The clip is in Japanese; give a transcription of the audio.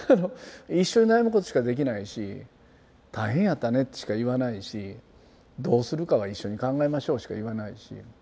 一緒に悩むことしかできないし「大変やったね」しか言わないし「どうするかは一緒に考えましょう」しか言わないし。